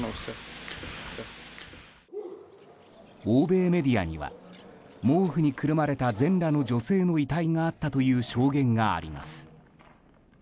欧米メディアには毛布にくるまれた全裸の女性の遺体があったという証言があります。